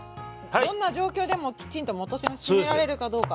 どんな状況でもきちんと元栓を閉められるかどうか。